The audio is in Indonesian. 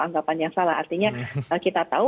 anggapan yang salah artinya kita tahu